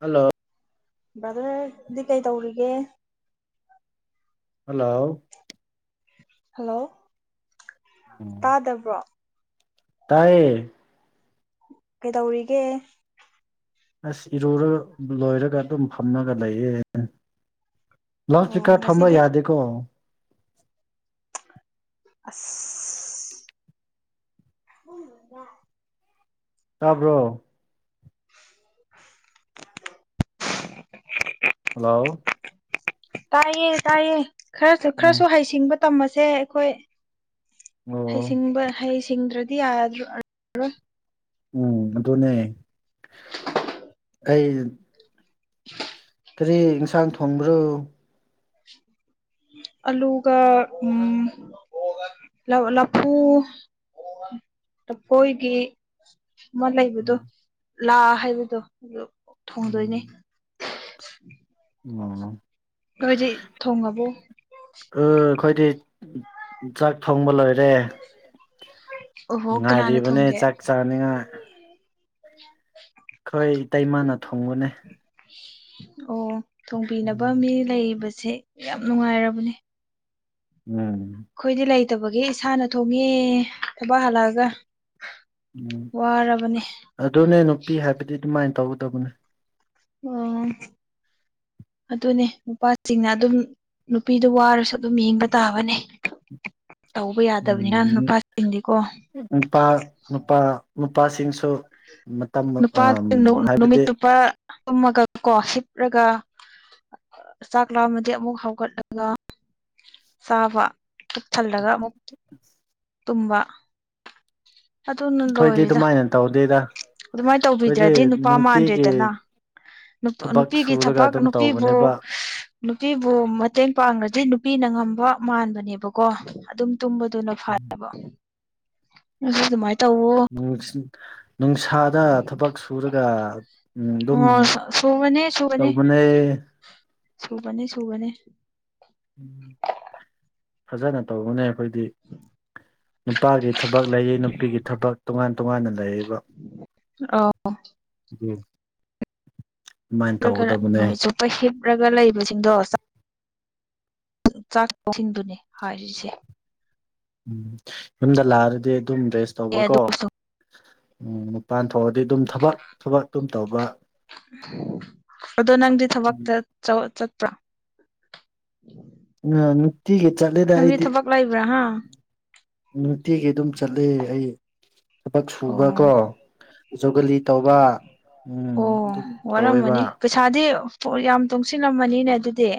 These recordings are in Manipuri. ꯍꯜꯂꯣ ꯕ꯭ꯔꯗꯔꯗꯤ ꯀꯩ ꯇꯧꯔꯤꯒꯦ ꯍꯜꯂꯣ ꯍꯜꯂꯣ ꯎꯝ ꯇꯥꯗꯕ꯭ꯔꯣ ꯇꯥꯏꯌꯦ ꯀꯩꯗꯧꯔꯤꯒꯦ ꯑꯁ ꯏꯔꯨꯔ ꯂꯣꯏꯔꯒ ꯑꯗꯨꯝ ꯐꯝꯃꯒ ꯂꯩꯌꯦ [unintelligible] ꯑꯣ ꯊꯥꯥꯎꯝꯃ ꯉꯁꯤꯗꯤ ꯌꯥꯗꯀꯣ ꯑꯁ [unintelligible] ꯇꯥꯕ꯭ꯔꯣ [inaudible] [inaudible] ꯍꯜꯂꯣ ꯇꯥꯏꯌꯦ ꯇꯥꯏꯌꯦ ꯈꯔꯁꯨ ꯎꯝ ꯈꯔꯁꯨ ꯍꯩꯁꯤꯡꯕ ꯇꯝꯃꯁꯦ ꯑꯩꯈꯣꯏ ꯑꯣ ꯍꯩꯁꯤꯡꯕ ꯍꯩꯁꯤꯡꯗ꯭ꯔꯗꯤ ꯌꯥꯔꯣꯏ ꯎꯝ ꯑꯗꯨꯅꯦ [inaudible] ꯀꯩ [inaudible] ꯀꯔꯤ ꯏꯟꯁꯥꯡ ꯊꯣꯡꯕ꯭ꯔꯣ ꯑꯂꯨꯒ ꯎꯝ ꯂꯧ ꯂꯐꯨ ꯂꯐꯣꯏꯒꯤ ꯑꯃ ꯂꯩꯕꯗꯣ ꯂꯥ ꯍꯥꯏꯕꯗꯣ ꯑꯗꯨ ꯎꯝ ꯊꯣꯡꯗꯣꯏꯅꯦ꯫ ꯑꯣ ꯅꯣꯏꯗꯤ ꯊꯣꯡꯉꯕꯣ ꯎꯝ ꯑꯩꯈꯣꯏꯗꯤ ꯆꯥꯛ ꯊꯣꯡꯕ ꯂꯣꯏꯔꯦ꯫ ꯑꯣꯍꯣ ꯀꯅꯥꯅ ꯉꯥꯏꯔꯤꯕꯅꯦ ꯊꯣꯡꯒꯦ ꯆꯥꯛ ꯆꯥꯅꯤꯉꯥꯏ꯫ [inaudible] ꯑꯩꯈꯣꯏ ꯏꯇꯩꯩꯃꯥꯅ ꯊꯣꯡꯕꯅꯦ꯫ ꯑꯣ ꯊꯣꯡꯕꯤꯅꯕ ꯃꯤ ꯎꯝ ꯂꯩꯕꯁꯦ ꯌꯥꯝ ꯅꯨꯡꯉꯥꯏꯔꯕꯅꯦ꯫ ꯎꯝ ꯑꯩꯈꯣꯏꯗꯤ ꯂꯩꯇꯕꯒꯤ ꯏꯁꯥꯅ ꯊꯣꯡꯉꯦ ꯊꯕꯛ ꯍꯜꯂꯛꯑꯒ ꯎꯝ ꯋꯥꯔꯕꯅꯦ ꯑꯗꯨꯅꯦ ꯅꯨꯄꯤ ꯍꯥꯏꯕꯗꯤ ꯑꯗꯨꯃꯥꯏꯅ ꯇꯧꯒꯗꯕꯅꯦ꯫ ꯑꯣ ꯑꯗꯨꯅꯦ ꯅꯨꯄꯥꯁꯤꯡꯅ ꯑꯗꯨꯝ ꯅꯨꯄꯤꯗꯨ ꯋꯥꯔꯁꯨ ꯑꯗꯨꯝ ꯍꯤꯡꯕ ꯇꯥꯕꯅꯦ꯫ ꯇꯧꯕ ꯌꯥꯗꯕꯅꯤꯅ ꯎꯝ ꯅꯨꯄꯥꯁꯤꯡꯗꯤꯀꯣ ꯅꯨꯄꯥ ꯅꯨꯄꯥ ꯅꯨꯄꯥꯁꯤꯡꯁꯨ ꯃꯇꯝꯅ ꯅꯨꯄꯥꯁꯤꯡ ꯎꯝ ꯅꯨꯃꯤꯠ ꯍꯥꯏꯕꯗꯤ ꯆꯨꯞꯄ ꯇꯨꯝꯃꯒ ꯀꯣ ꯍꯤꯞꯔꯒ ꯆꯥꯛ ꯂꯥꯝꯃꯗꯤ ꯑꯃꯨꯛ ꯍꯧꯒꯠꯂꯒ ꯆꯥꯕ ꯄꯨꯛ ꯊꯜꯂꯒ ꯑꯃꯨꯛ [inaudible] ꯇꯨꯝꯕ ꯑꯗꯨꯅ ꯑꯩꯈꯣꯏꯗꯤ ꯂꯣꯏꯔꯦꯗ ꯑꯗꯨꯃꯥꯏꯅ ꯇꯧꯗꯦꯗ ꯑꯗꯨꯃꯥꯏꯅ ꯑꯩꯈꯣꯏꯗꯤ ꯇꯧꯕꯤꯗ꯭ꯔꯗꯤ ꯅꯨꯄꯥ ꯅꯨꯡꯇꯤꯒꯤ ꯃꯥꯟꯗ꯭ꯔꯦꯗꯅ ꯅꯨꯄꯥ ꯊꯕꯛ ꯅꯨꯄꯤꯒꯤ ꯁꯨꯔꯒ ꯊꯕꯛ ꯑꯗꯨꯝ ꯅꯨꯄꯤꯕꯨ ꯇꯧꯕꯅꯦꯕ ꯅꯨꯄꯤꯕꯨ ꯃꯇꯦꯡ ꯄꯥꯡꯔꯗꯤ ꯅꯨꯄꯤꯅ ꯉꯝꯕ ꯃꯥꯟꯕꯅꯦꯕꯀꯣ ꯑꯗꯨꯝ ꯇꯨꯝꯕꯗꯨꯅ ꯐꯔꯦꯕ ꯗꯨꯅꯦ ꯑꯗꯨꯃꯥꯏꯅ ꯇꯧꯑꯣ ꯅꯨꯡꯁꯤ ꯅꯨꯡꯁꯥꯗ ꯊꯕꯛ ꯁꯨꯔꯒ ꯑꯗꯨꯝ ꯑꯣ ꯁꯨꯕꯅꯦ ꯁꯨꯕꯅꯦ ꯇꯧꯕꯅꯦ ꯁꯨꯕꯅꯦ ꯁꯨꯕꯅꯦ ꯎꯝ ꯐꯖꯅ ꯇꯧꯕꯅꯦ ꯑꯈꯣꯏꯗꯤ ꯅꯨꯄꯥꯒꯤ ꯊꯕꯛ ꯂꯩꯏ ꯅꯨꯄꯤꯒꯤ ꯊꯕꯛ ꯇꯣꯉꯥꯟ ꯇꯣꯉꯥꯟꯅ ꯂꯩꯏ ꯑꯣ ꯒꯤ ꯂꯒꯔ ꯅꯨꯃꯤꯠ ꯆꯨꯞꯄ ꯍꯤꯞꯔꯒ ꯂꯩꯕꯁꯤꯡꯗꯣ ꯆꯥ ꯆꯥꯛꯁꯤꯡꯗꯨꯅꯦ ꯍꯥꯏꯔꯤꯁꯦ ꯎꯝ ꯌꯨꯝꯗ ꯂꯥꯔꯗꯤ ꯑꯗꯨꯝ ꯔꯦꯁ ꯑꯦ ꯇꯧꯕꯀꯣ ꯑꯗꯨꯁꯨ ꯎꯝ ꯄꯥꯟ ꯊꯣꯛꯔꯗꯤ ꯑꯗꯨꯝ ꯊꯕꯛ ꯊꯕꯛ ꯑꯗꯨꯝ ꯇꯧꯕ ꯑꯗꯣ ꯅꯪꯗꯤ ꯎꯝ ꯊꯕꯛꯇ ꯆ ꯆꯣ ꯆꯠꯄ꯭ꯔꯥ ꯑ ꯅꯨꯇꯤꯒꯤ ꯆꯠꯂꯦꯗ ꯅꯪꯗꯤ ꯑꯩꯗꯤ ꯊꯕꯛ ꯂꯩꯕ꯭ꯔꯥ ꯍꯥ ꯅꯨꯡꯇꯤꯒꯤ ꯑꯗꯨꯝ ꯆꯠꯂꯦ ꯑꯩ ꯊꯕꯛ ꯑꯣ ꯁꯨꯕꯀꯣ ꯖꯨꯒꯂꯤ ꯇꯧꯕ ꯎꯝ ꯑꯣ ꯑꯗꯨꯝ ꯇꯧꯋꯦꯕ ꯋꯥꯔꯝꯃꯅꯤ ꯄꯩꯁꯥꯗꯤ ꯑ ꯌꯥꯝ ꯇꯨꯡꯁꯤꯜꯂꯝꯃꯅꯤꯅꯦ ꯑꯗꯨ ꯗꯤ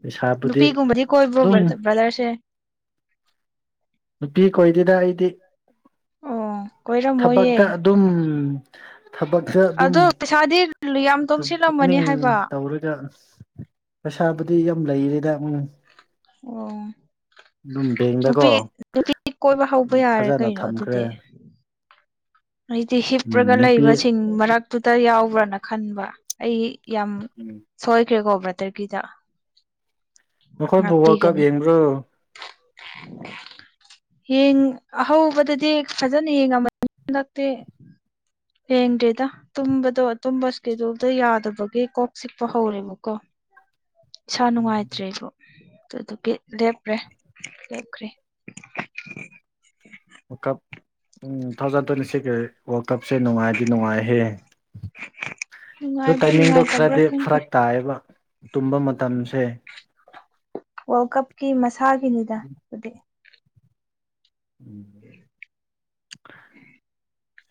ꯄꯩꯁꯥꯕꯨꯗꯤ ꯅꯨꯄꯤꯒꯨꯝꯕꯗꯤ ꯀꯣꯏꯕ꯭ꯔꯣ ꯑꯗꯨꯝ ꯕ꯭ꯔ ꯕ꯭ꯔꯥꯗꯔꯁꯦ ꯅꯨꯄꯤ ꯀꯣꯏꯗꯦꯗꯥ ꯑꯩꯗꯤ ꯑꯣ ꯀꯣꯏꯔꯝꯃꯣꯏꯌꯦ ꯊꯕꯛꯇ ꯑꯗꯨꯝ ꯊꯕꯛꯇ ꯑꯗꯨꯝ ꯑꯗꯣ ꯄꯩꯁꯥꯗꯤ ꯌꯥꯝ ꯇꯨ ꯇꯣꯡꯁꯤꯜꯂꯝꯃꯅꯤ ꯄꯨꯛꯅꯤꯡ ꯍꯥꯏꯕ ꯇꯧꯔꯒ ꯄꯩꯁꯥꯕꯨꯗꯤ ꯌꯥꯝ ꯂꯩꯔꯦꯗꯥ ꯎꯝ ꯑꯣ ꯑꯗꯨꯝ ꯅꯨꯄꯤ ꯕꯦꯡꯗꯀꯣ ꯅꯨꯄꯤ ꯀꯣꯏꯕ ꯍꯧꯕ ꯌꯥꯔꯦ ꯐꯖꯅ ꯀꯩꯅꯣ ꯊꯝꯈ꯭ꯔꯦ ꯑꯗꯨꯗꯤ ꯑꯩꯗꯤ ꯍꯤꯞꯔꯒ ꯎꯝ ꯅꯨꯄꯤ ꯂꯩꯕꯁꯤꯡ ꯃꯔꯛꯇꯨꯗ ꯌꯥꯎꯕ꯭ꯔꯥꯅ ꯈꯟꯕ ꯑꯩ ꯌꯥꯝ ꯎꯝ ꯁꯣꯏꯈ꯭ꯔꯦꯀꯣ ꯕꯇꯔꯒꯤꯗ ꯅꯈꯣꯏꯕꯨ ꯋꯥꯔꯜ ꯀꯞ ꯉꯥꯛꯄꯤꯒꯅꯤ [unintelligible] ꯌꯦꯡ ꯑꯍꯧꯕꯗꯗꯤ ꯐꯖꯅ ꯌꯦꯡꯉꯃꯅꯤ ꯍꯟꯗꯛꯇꯤ ꯌꯦꯡꯗꯦꯗ ꯇꯨꯝꯕꯗꯣ ꯇꯨꯝꯕ ꯏꯁꯀꯦꯗꯨꯜꯗꯣ ꯌꯥꯗꯕꯒꯤ ꯀꯣꯛ ꯆꯤꯛꯄ ꯍꯧꯔꯦꯕꯀꯣ [unintelligible] ꯏꯁꯥ ꯅꯨꯡꯉꯥꯏꯇ꯭ꯔꯦꯒꯣ ꯑꯗꯨꯗꯨꯒꯤ ꯂꯦꯞꯄ꯭ꯔꯦ ꯂꯦꯞꯈ꯭ꯔꯦ ꯑꯣꯀꯞ ꯎꯝ ꯊꯥꯎꯖꯟ ꯇ꯭ꯋꯦꯟꯇꯤ ꯁꯤꯁ ꯋꯥꯔꯜ ꯀꯞꯁꯦ ꯅꯨꯡꯉꯥꯏꯗꯤ ꯅꯨꯡꯉꯥꯏꯍꯦ ꯑꯗꯨ ꯅꯨꯡꯉꯥꯏꯕ꯭ꯔꯥ ꯇꯥꯏꯃꯤꯡꯗꯣ ꯅꯨꯡꯉꯥꯏꯇꯕ꯭ꯔꯥ ꯈꯔꯗꯤ ꯈꯪꯗꯦ ꯐꯔꯛ ꯇꯥꯏꯑꯕ ꯇꯨꯝꯕ ꯃꯇꯝꯁꯦ ꯋꯥꯔꯜ ꯀꯞꯀꯤ ꯃꯁꯥꯒꯤꯅꯤꯗ ꯑꯗꯨꯗꯤ ꯎꯝ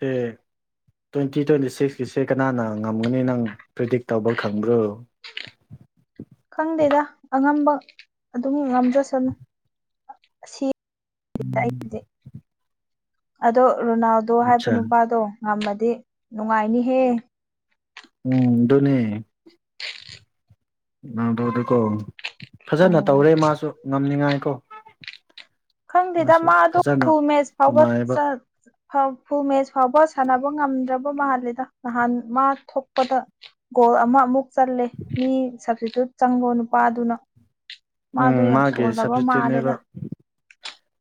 ꯑꯦ ꯇ꯭ꯋꯦꯟꯇꯤ ꯇ꯭ꯋꯦꯟꯇꯤ ꯁꯤꯛꯁꯀꯤꯁꯦ ꯀꯅꯥꯅ ꯉꯝꯒꯅꯤ ꯅꯪ ꯄ꯭ꯔꯤꯗꯤꯛ ꯇꯧꯕ ꯈꯪꯕ꯭ꯔꯣ ꯈꯪꯗꯦꯗ ꯑꯉꯝꯕ ꯑꯗꯨꯝ ꯉꯝꯖꯁꯅꯨ ꯑꯁꯤ [unintelligible] ꯑꯗꯣ ꯔꯣꯅꯥꯜꯗꯣ ꯍꯥꯏꯕ ꯑꯠꯆꯥ ꯅꯨꯄꯥꯗꯣ ꯉꯝꯃꯗꯤ ꯅꯨꯡꯉꯥꯏꯅꯤꯍꯦ ꯎꯝ ꯗꯨꯅꯦ ꯅꯪꯗꯨ ꯑꯗꯨꯀꯣ ꯐꯖꯅ ꯎꯝ ꯇꯧꯔꯦ ꯃꯥꯁꯨ ꯉꯝꯅꯤꯉꯥꯏ ꯀꯣ ꯈꯪꯗꯦꯗ ꯃꯥꯗꯣ ꯐꯨꯜ ꯃꯦꯁ ꯐꯥꯎꯕ ꯍꯣꯠꯅꯩꯌꯦꯕ ꯆꯠ ꯐ ꯐꯨ ꯃꯦꯁ ꯐꯥꯎꯕ ꯁꯥꯟꯅꯕ ꯉꯝꯗ꯭ꯔꯕ ꯃꯥꯂꯦꯗ ꯅꯍꯥꯟ ꯃꯥ ꯊꯣꯛꯄꯗ ꯒꯣꯜ ꯑꯃ ꯑꯃꯨꯛ ꯆꯜꯂꯦ ꯃꯤ ꯁꯕꯁꯇꯤꯇ꯭ꯌꯨꯠ ꯆꯪꯕꯣ ꯅꯨꯄꯥꯗꯨꯅ ꯎꯝ ꯃꯥꯗꯣ ꯌꯥꯝ ꯃꯥꯒꯤ ꯁꯣꯜꯂꯕ ꯁꯕꯁꯇꯤꯇ꯭ꯌꯨꯠꯅꯦꯕ ꯃꯥꯜꯂꯦꯗ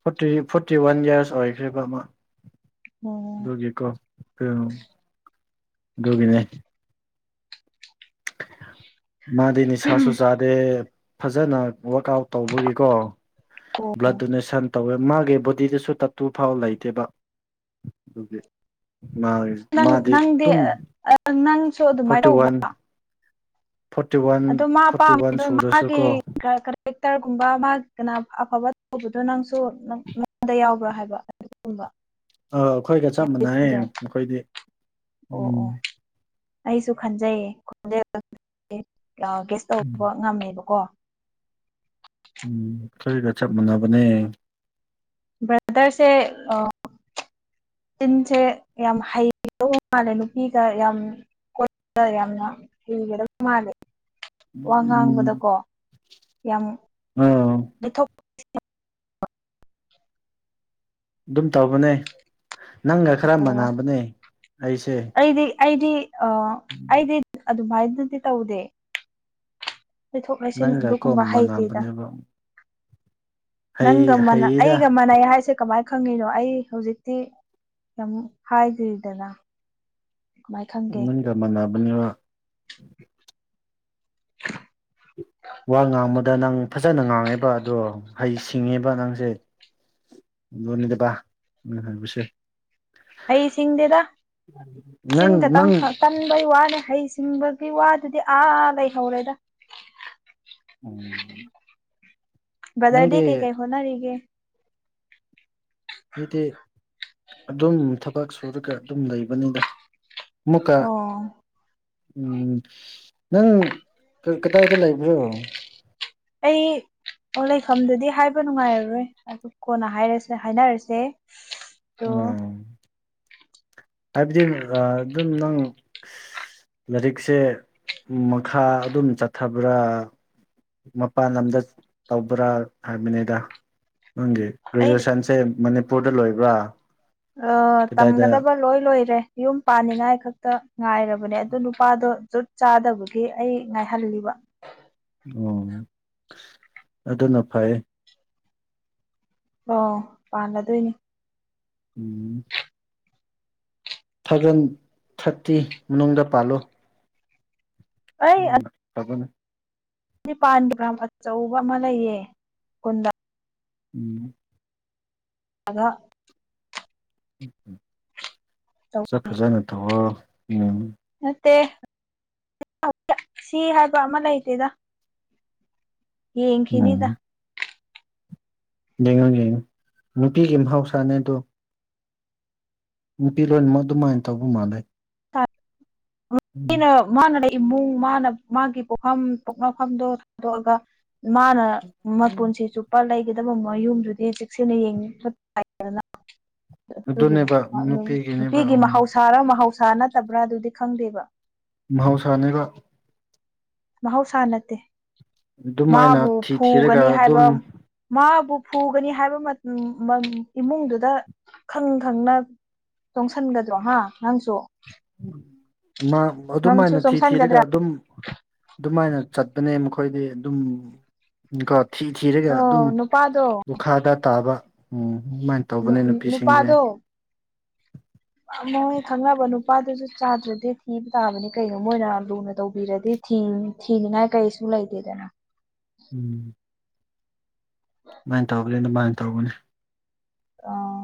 ꯐꯣꯔꯇꯤ ꯐꯣꯔꯇꯤ ꯋꯥꯟ ꯌꯥꯔꯁ ꯑꯣꯏꯈ꯭ꯔꯤꯕ ꯑꯃ ꯎꯝ ꯑꯗꯨꯒꯤꯀꯣ ꯎ ꯑꯗꯨꯒꯤꯅꯦ ꯃꯥꯗꯤ ꯅꯤꯁꯥꯁꯨ ꯆꯥꯗꯦ ꯐꯖꯅ ꯋꯥꯔꯛ ꯑꯥꯎꯠ ꯇꯧꯕꯒꯤꯀꯣ ꯕ꯭ꯂꯠ ꯗꯣꯅꯦꯁꯟ ꯇꯧꯋꯦ ꯃꯥꯒꯤ ꯕꯣꯗꯤꯗꯁꯨ ꯇꯠꯇꯨ ꯐꯥꯎ ꯂꯩꯇꯦꯕ ꯑꯗꯨꯒꯤ ꯃꯥ ꯅꯪ ꯃꯥꯗꯤ ꯅꯪꯗꯤ ꯑꯗꯨꯝ ꯑꯥ ꯅꯪꯁꯨ ꯑꯗꯨꯃꯥꯏꯅ ꯐꯣꯔꯇꯤ ꯋꯥꯟ ꯇꯧꯕ꯭ꯔꯥ ꯐꯣꯔꯇꯤ ꯋꯥꯟ ꯑꯗꯣ ꯃꯥ ꯐꯣꯔꯇꯤ ꯋꯥꯟ ꯄꯥꯝꯃꯤꯗꯣ ꯃꯥꯒꯤ ꯁꯨꯔꯁꯨꯀꯣ [unintelligible] ꯑꯦꯇꯔꯒꯨꯝꯕ ꯃꯥ ꯀꯅꯥ ꯑꯐꯕ ꯇꯧꯕꯗꯣ ꯅꯪꯁꯨ ꯅꯉꯣꯟꯗ ꯌꯥꯎꯕ꯭ꯔꯥ ꯍꯥꯏꯕ ꯑꯗꯨꯒꯨꯝꯕ ꯑꯥ ꯑꯩꯈꯣꯏꯒ ꯆꯞ ꯃꯥꯟꯅꯩꯌꯦ ꯑꯗꯨꯗꯣ ꯃꯈꯣꯏꯗꯤ ꯑꯣ ꯎꯝ ꯑꯣ ꯑꯩꯁꯨ ꯈꯟꯖꯩꯌꯦ ꯈꯖ [unintelligible] ꯎꯝ ꯇꯧꯕ ꯉꯝꯃꯦꯕꯀꯣ ꯎꯝ ꯊꯤꯒ ꯆꯞ ꯃꯥꯟꯅꯕꯅꯦ ꯕ꯭ꯔꯗꯔꯁꯦ ꯑꯥ ꯇꯤꯟꯁꯦ ꯌꯥꯝ ꯍꯩꯗꯧ ꯃꯥꯜꯂꯦ ꯅꯨꯄꯤꯒ ꯌꯥꯝ [unintelligible] ꯃꯥꯂ ꯋꯥ ꯎꯝ ꯉꯥꯡꯕꯗꯀꯣ ꯌꯥꯝ ꯑꯥ ꯂꯤꯊꯣꯛ ꯑꯗꯨꯝ ꯇꯧꯕꯅꯦ ꯅꯪꯒ ꯈꯔ ꯂꯩꯊꯣꯛꯑꯣ ꯃꯥꯟꯅꯕꯅꯦ ꯑꯩꯁꯦ ꯑꯩꯗꯤ ꯑꯩꯗꯤ ꯑꯥ ꯑꯩꯗꯤ ꯑꯗꯨꯃꯥꯏꯅꯗꯤ ꯇꯧꯗꯦ ꯂꯩꯊꯣꯛ ꯂꯩꯁꯤꯟ ꯅꯪꯒ ꯀꯣ ꯑꯗꯨꯒꯨꯝꯕ ꯍꯩꯇꯦꯗ ꯃꯥꯟꯅꯕꯅꯦꯕ ꯅꯪꯒ ꯍꯩ ꯃꯅ ꯍꯩꯌꯦꯗ ꯑꯩꯒ ꯃꯥꯟꯅꯩ ꯍꯥꯏꯁꯦ ꯀꯃꯥꯏꯅ ꯈꯪꯉꯤꯅꯣ ꯑꯩ ꯍꯧꯖꯤꯛꯇꯤ ꯌꯥꯝ ꯍꯥꯏꯗ꯭ꯔꯤꯗꯅ ꯀꯃꯥꯏ ꯈꯪꯒꯦ ꯅꯪꯒ ꯃꯅꯥꯕꯅꯦꯕ [unintelligible] ꯋꯥ ꯉꯥꯡꯕꯗ ꯅꯪ ꯐꯖꯅ ꯉꯥꯡꯉꯦꯕ ꯑꯗꯣ ꯍꯩꯁ ꯍꯤꯡꯉꯦꯕ ꯑꯉꯥꯡꯁꯦ [unintelligible] ꯍꯩ ꯁꯤꯡꯗꯦꯗ ꯁꯤꯟ ꯅꯪ ꯅꯪ ꯈꯇꯪ ꯏꯪꯕꯩ ꯋꯥꯅꯦ ꯍꯩꯁꯤꯡꯕꯒꯤ ꯋꯥꯗꯨꯗꯤ ꯑꯥ ꯂꯩꯍꯧꯔꯦꯗ ꯎꯝ ꯕꯗꯔ ꯗꯤ ꯅꯪꯒꯤ ꯀꯩ ꯀꯩ ꯍꯣꯅꯔꯤꯒꯦ ꯑꯗꯨꯗꯤ ꯑꯗꯨꯝ ꯊꯕꯛ ꯁꯨꯔꯒ ꯑꯗꯨꯝ ꯂꯩꯕꯅꯤꯗ ꯃꯨꯀꯥ ꯑꯣ ꯎꯝ ꯅꯪ ꯀꯗꯥꯏꯗ ꯂꯩꯕ꯭ꯔꯣ ꯑꯩ ꯑꯣ ꯂꯩꯐꯝꯗꯨꯗꯤ ꯍꯥꯏꯕ ꯅꯨꯡꯉꯥꯏꯔꯔꯣꯏ ꯑꯗꯣ ꯀꯣꯟꯅ ꯍꯥꯏꯔꯁꯦ ꯍꯥꯏꯔ ꯍꯥꯏꯅꯔꯁꯦ ꯇꯣ ꯎꯝ ꯍꯥꯏꯕꯗꯤ ꯔꯥ ꯑꯗꯨꯝ ꯅꯪ ꯂꯥꯏꯔꯤꯛꯁꯦ ꯃꯈꯥ ꯑꯗꯨꯝ ꯆꯠꯊꯕ꯭ꯔꯥ ꯃꯄꯥꯟ ꯂꯝꯗ ꯇꯧꯕ꯭ꯔꯥ ꯍꯥꯏꯕꯅꯤꯗ ꯅꯪꯒꯤ ꯑꯩ ꯒ꯭ꯔꯦꯖꯨꯑꯦꯁꯟꯁꯦ ꯃꯅꯤꯄꯨꯔꯗ ꯂꯣꯏꯕ꯭ꯔꯥ ꯑꯥ ꯀꯗꯥꯏꯗ ꯇꯝꯒꯗꯕ ꯂꯣꯏ ꯂꯣꯏꯔꯦ ꯌꯨꯝ ꯄꯥꯅꯤꯉꯥꯏ ꯈꯛ ꯇ ꯉꯥꯏꯔꯕꯅꯦ ꯑꯗꯨ ꯅꯨꯄꯥꯗꯣ ꯖꯨꯠ ꯆꯥꯗꯕꯒꯤ ꯑꯩ ꯉꯥꯏꯍꯜꯂꯤꯕ ꯑꯣ ꯑꯗꯨꯅ ꯐꯩ ꯑꯣ ꯄꯥꯜꯂꯗꯣꯏꯅꯦ ꯎꯝ ꯊꯥꯎꯖꯟ ꯊꯥꯔꯇꯤ ꯃꯅꯨꯡꯗ ꯄꯥꯜꯂꯣ ꯎꯝ ꯇꯕꯅꯦ ꯅꯤꯄꯥꯟꯒꯤꯒ꯭ꯔꯥꯝ ꯑꯆꯧꯕ ꯑꯃ ꯂꯩꯌꯦꯟ ꯎꯝ ꯑꯥꯗ ꯐꯖ ꯐꯖꯅ ꯊꯥꯎꯑꯣ ꯅꯠꯇꯦ ꯁꯤ ꯍꯥꯏꯕ ꯑꯃ ꯂꯩꯇꯦꯗ ꯌꯦꯡ ꯈꯤꯅꯤꯗ ꯎꯝ ꯌꯦꯡꯉꯣ ꯌꯦꯡꯉꯣ ꯅꯨꯄꯤꯒꯤ ꯃꯍꯧꯁꯥꯅꯦꯗꯣ ꯅꯨꯄꯤ ꯂꯣꯟꯃꯛ ꯑꯗꯨꯃꯥꯏꯅ ꯇꯧꯕ ꯃꯥꯜꯂꯦ ꯎꯝ ꯑꯩꯅ ꯃꯥꯒꯤ ꯄꯣꯛꯅꯐꯝꯗꯨ ꯊꯤꯗꯣꯛꯂꯒ ꯃꯥꯅ ꯃꯄꯨꯟꯁꯤ ꯆꯨꯞꯄ ꯂꯩꯒꯗꯕ ꯃꯌꯨꯝꯗꯨꯗꯤ ꯆꯦꯛꯁꯤꯟꯅ ꯌꯦꯡꯁꯤꯟꯕ ꯇꯥꯏ ꯑꯗꯨꯒꯤ ꯑꯗꯨꯅꯦꯕ ꯅꯨꯄꯤꯒꯤꯅꯦꯕ ꯅꯨꯄꯤꯒꯤ ꯎꯝ ꯃꯍꯧꯁꯥꯔ ꯃꯍꯧꯁꯥ ꯄꯥ ꯅꯠꯇꯕ꯭ꯔꯥ ꯑꯗꯨꯗꯤ ꯈꯪꯗꯦꯕ ꯃꯍꯧꯁꯥꯅꯦꯕ ꯃꯍꯧꯁꯥ ꯅꯠꯇꯦ ꯑꯗꯨꯃꯥꯏꯅ ꯃꯥꯕꯨ ꯊꯤ ꯊꯤꯔꯒ ꯐꯨꯒꯅꯤ ꯑꯗꯨꯝ ꯍꯥꯏꯕ ꯃꯥꯕꯨ ꯐꯨꯒꯅꯤ ꯍꯥꯏꯕ ꯏꯃꯨꯡꯗꯨꯗ ꯈꯪ ꯈꯪꯅ ꯆꯪꯏ ꯇꯣꯡꯁꯟꯒꯗ꯭ꯔꯣ ꯍꯥ ꯅꯪꯁꯨ ꯃꯥ ꯑꯗꯨꯝꯥꯏꯅ ꯅꯪꯁꯨ ꯊꯤ ꯊꯤꯔꯒ ꯆꯣꯡꯁꯟꯒꯗ꯭ꯔꯥ ꯑꯗꯨꯝ ꯑꯗꯨꯃꯥꯏꯅ ꯆꯠꯄꯅꯦ ꯃꯈꯣꯏꯗꯤ ꯑꯗꯨꯝ ꯎꯝ ꯀꯣ ꯊꯤ ꯊꯤꯔꯒ ꯑꯗꯨꯝ ꯑꯣ ꯅꯨꯄꯥꯗꯣ ꯂꯣꯛꯈꯥꯗ ꯇꯥꯕ ꯑꯗꯨꯃꯥꯏꯅ ꯇꯧꯕꯅꯦ ꯅꯨꯄꯤꯁꯤꯡꯁꯦ ꯅꯨꯄꯥꯗꯣ ꯃꯣꯏ ꯈꯪꯅꯕ ꯅꯨꯄꯥꯗꯨꯁꯨ ꯆꯥꯗ꯭ꯔꯗꯤ ꯊꯤꯕ ꯇꯥꯕꯅꯤ ꯀꯩꯅꯣ ꯃꯣꯏꯅ ꯂꯨꯅ ꯇꯧꯕꯤꯔꯗꯤ ꯊꯤꯅꯤꯡꯉꯥꯏ ꯀꯩꯁꯨ ꯂꯩꯇꯦꯗꯅ ꯎꯝ ꯑꯗꯨꯃꯥꯏꯅ ꯇꯧꯕꯅꯦ ꯑꯗꯨꯃꯥꯏꯅ ꯇꯧꯕꯅꯦ ꯑꯥ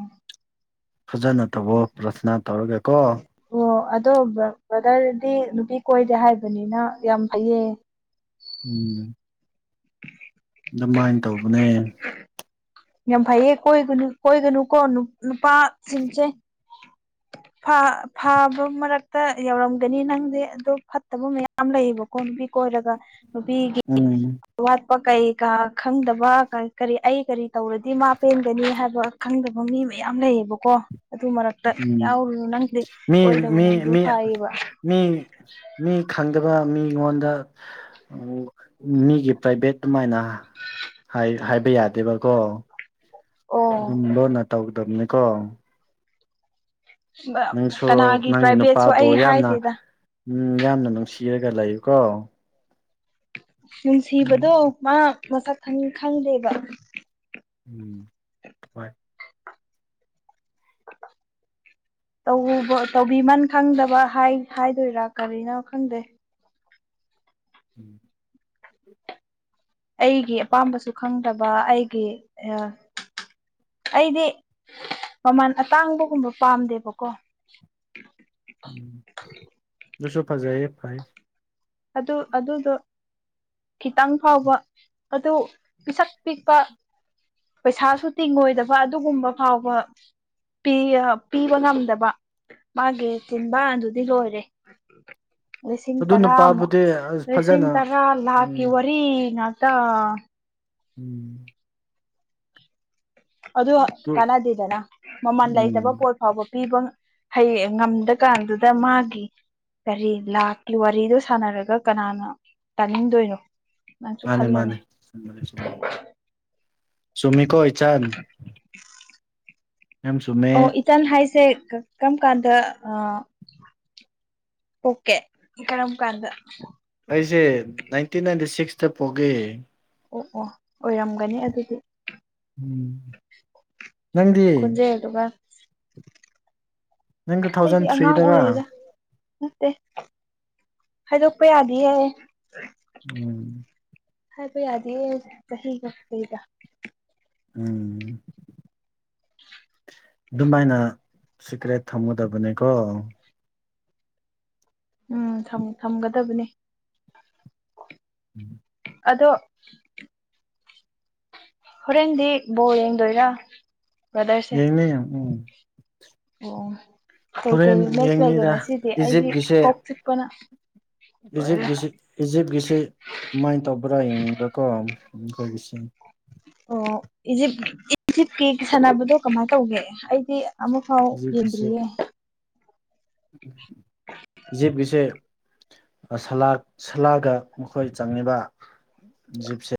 ꯐꯖꯅ ꯇꯧꯑꯣ ꯕꯔꯁꯅꯥ ꯇꯧꯔꯒꯀꯣ ꯑꯣ ꯑꯗꯣ ꯕ꯭ꯔꯗꯔꯗꯤ ꯅꯨꯄꯤ ꯀꯣꯏꯗꯦ ꯍꯥꯏꯕꯅꯤꯅ ꯌꯥꯝ ꯐꯩꯌꯦ ꯎꯝ ꯑꯗꯨꯃꯥꯏꯅ ꯇꯧꯕꯅꯦ ꯌꯥꯝ ꯐꯩꯌꯦ ꯀꯣꯏꯒꯨ ꯀꯣꯏꯒꯅꯨꯀꯣ ꯅꯨꯄꯥꯁꯤꯡꯁꯦ ꯐꯥꯕ ꯃꯔꯛꯇ ꯌꯧꯔꯝꯒꯅꯤ ꯅꯪꯗꯤ ꯑꯗꯣ ꯐꯠꯇꯕ ꯃꯌꯥꯝꯁꯨ ꯂꯩ ꯌꯥꯝ ꯂꯩꯌꯦꯕꯀꯣ ꯅꯨꯄꯤ ꯀꯣꯏꯔꯒ ꯅꯨꯄꯤꯒꯤ ꯎꯝ ꯑꯋꯥꯠꯄ ꯀꯩ ꯀꯥ ꯈꯪꯗꯕ ꯑꯩ ꯀꯔꯤ ꯇꯧꯔꯗꯤ ꯃꯥ ꯄꯦꯟꯒꯅꯤ ꯍꯥꯏꯕ ꯈꯪꯗꯕ ꯃꯤ ꯃꯌꯥꯝ ꯂꯩꯌꯦꯕꯀꯣ ꯑꯗꯨ ꯃꯔꯛꯇ ꯑꯗꯨꯒꯤ ꯎꯝ ꯌꯥꯎꯔꯨꯅꯨ ꯅꯪꯗꯤ ꯃꯤ ꯀꯣꯢꯗꯕ ꯃꯤ ꯅꯪꯗꯨ ꯃꯤ ꯐꯩꯌꯦꯕ ꯃꯤ ꯃꯤ ꯈꯪꯗꯕ ꯃꯤꯉꯣꯟꯗ ꯃꯤꯒꯤ ꯄ꯭ꯔꯥꯏꯚꯦꯠ ꯑꯗꯨꯃꯥꯏꯅ ꯍꯥꯏꯕ ꯌꯥꯗꯦꯕꯀꯣ ꯑꯣ ꯑꯗꯨꯝ ꯂꯣꯟꯅ ꯇꯧꯗꯕꯅꯤ ꯀꯣ ꯅꯪꯁꯨ ꯀꯅꯥꯒꯤ ꯅꯪꯒꯤ ꯄ꯭ꯔꯥꯏꯚꯦꯠꯁꯨ ꯅꯨꯄꯥꯕꯨ ꯑꯩ ꯍꯥꯏꯗꯦꯗ ꯌꯥꯝꯅ ꯅꯨꯡꯁꯤꯔꯒ ꯂꯩꯌꯨꯀꯣ ꯑꯗꯨꯝ ꯅꯨꯡꯁꯤꯕꯗꯣ ꯃꯥ ꯃꯁꯛ ꯈꯪꯗꯦꯕ ꯎꯝ ꯍꯣꯏ [unintelligible] ꯇꯧꯕꯤꯃꯟ ꯈꯪꯗꯕ ꯍꯥꯏꯗꯣꯏꯔꯥ ꯀꯔꯤꯅꯣ ꯈꯪꯗꯦ ꯎꯝ ꯑꯩꯒꯤ ꯑꯄꯥꯝꯕꯁꯨ ꯈꯪꯗꯕ ꯑꯩꯗꯤ ꯃꯃꯜ ꯑꯇꯥꯡꯕꯒꯨꯝꯕ ꯄꯥꯝꯗꯦꯕꯀꯣ ꯗꯨꯁꯨ ꯐꯖꯩꯌꯦ ꯍꯥꯢ ꯑꯗꯨ ꯑꯗꯨꯗꯣ ꯈꯤꯇꯪ ꯐꯥꯎꯕ ꯑꯗꯨ ꯄꯤꯁꯛ ꯄꯤꯛꯄ ꯄꯩꯁꯥꯁꯨ ꯇꯤꯡꯉꯣꯏꯗꯕ ꯑꯗꯨꯒꯨꯝꯕ ꯐꯥꯎꯕ ꯄꯤꯕ ꯄꯤꯕ ꯉꯝꯗꯕ ꯃꯥꯒꯤ ꯆꯤꯟꯕꯥꯟꯗꯨꯗꯤ ꯂꯣꯏꯔꯦ ꯂꯤꯁꯤꯡ ꯑꯗꯨ ꯇꯔꯥꯃꯨꯛ ꯅꯨꯄꯥꯕꯨꯗꯤ ꯑꯁ ꯂꯤꯁꯤꯡ ꯐꯖꯅ ꯇꯔꯥ ꯂꯥꯛꯀꯤ ꯎꯝ ꯋꯥꯔꯤ ꯉꯥꯛ ꯇ ꯎꯝ ꯑꯗꯨ ꯀꯅꯥꯗꯦꯗꯅ ꯃꯃꯜ ꯂꯩꯇꯕ ꯎꯝ ꯄꯣꯠ ꯐꯥꯎꯕ ꯄꯤꯕ ꯍꯩꯌꯦꯡ ꯉꯝꯗ ꯀꯥꯟꯗꯨꯗ ꯃꯥꯒꯤ ꯀꯔꯤ ꯂꯥꯛꯀꯤ ꯋꯥꯔꯤꯗꯣ ꯁꯥꯟꯅꯔꯒ ꯀꯅꯥꯅ ꯇꯥꯅꯤꯡꯗꯣꯏꯅꯣ ꯅꯪꯁꯨ ꯃꯥꯅꯦ ꯈꯜꯂꯣꯅꯦ ꯃꯥꯅꯦ ꯅꯪꯅ ꯍꯥꯢꯗꯨ ꯆꯨꯝ ꯆꯨꯝꯃꯤꯀꯣ ꯢꯆꯟ [unintelligible] ꯌꯥꯝ ꯆꯨꯝꯃꯦ ꯇꯟ ꯍꯥꯏꯁꯦ ꯀ꯭ꯔꯝ ꯀꯥꯟꯗ ꯑꯥ ꯑꯣꯀꯦ ꯀꯩꯔꯝꯀꯥꯟꯗ ꯑꯩꯁꯦ ꯅꯥꯏꯟꯇꯤꯟ ꯅꯥꯏꯟꯇꯤ ꯁꯤꯛꯁꯇ ꯄꯣꯛꯒꯦ ꯑꯣ ꯑꯣ ꯑꯣꯏꯔꯝꯒꯅꯤ ꯑꯗꯨꯗꯤ ꯎꯝ ꯅꯪꯗꯤ ꯈꯣꯟꯖꯦꯜꯗꯨꯒ ꯅꯪ ꯇꯨ ꯑꯩꯗꯤ ꯊꯥꯎꯖꯟ ꯑꯉꯥꯡ ꯊ꯭ꯔꯤꯗꯔꯥ ꯑꯣꯏꯔꯤꯗ ꯅꯠꯇꯦ ꯍꯥꯏꯗꯣꯛꯄ ꯌꯥꯗꯤꯌꯦ [unintelligible] ꯍꯥꯏꯕ ꯌꯥꯗꯤꯌꯦ ꯆꯍꯤ ꯒ ꯀꯩꯒ ꯎꯝ ꯗꯨꯃꯥꯏꯅ ꯁꯤꯀ꯭ꯔꯦꯠ ꯊꯝꯒꯗꯕꯅꯦꯀꯣ ꯎꯝ ꯊꯝ ꯊꯝꯒꯗꯕꯅꯤ ꯎꯝ ꯑꯗꯣ ꯍꯣꯔꯦꯟꯗꯤ ꯕꯣꯜ ꯌꯦꯡꯗꯣꯏꯔꯥ ꯕ꯭ꯔꯗꯔꯁꯦ ꯌꯦꯡꯅꯤ ꯎꯝ ꯑꯣ ꯍꯣꯔꯦꯟ ꯀꯩꯀꯩ ꯃꯦꯆ ꯂꯩꯒꯦ ꯌꯦꯡꯅꯤꯗ ꯉꯁꯤꯗꯤ ꯑꯩꯗꯤ ꯏꯖꯤꯞꯀꯤꯁꯦ ꯀꯣꯛ ꯆꯤꯛꯄꯅ ꯂꯣꯏꯔꯦ ꯏꯖꯤꯞꯀꯤꯁꯤ ꯏꯖꯤꯞꯀꯤꯁꯤ ꯀꯃꯥꯏꯟ ꯇꯧꯕ꯭ꯔꯥ ꯌꯦꯡꯅꯤꯡꯕꯀꯣ ꯑꯈꯣꯏꯒꯤꯁꯦ ꯑꯣ ꯏꯖꯤꯞ ꯏꯖꯤꯞꯀꯤ ꯁꯥꯟꯅꯕꯗꯣ ꯀꯃꯥꯏ ꯇꯧꯒꯦ ꯑꯩꯗꯤ ꯑꯃꯨꯛ ꯐꯥꯎ ꯏꯖꯤꯞꯀꯤꯁꯦ ꯌꯦꯗ꯭ꯔꯤꯌꯦ ꯢꯖꯤꯞꯀꯤꯁꯦ [unintelligible] ꯁꯥꯂꯥ ꯁꯥꯂꯥꯒ ꯃꯈꯣꯏ ꯆꯪꯉꯦꯕ ꯢꯖꯤꯞꯁꯦ